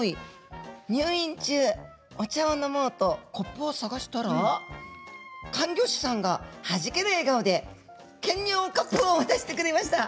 入院中、お茶を飲もうとコップを探したら患ギョ師さんがはじける笑顔で検尿カップを渡してくれました。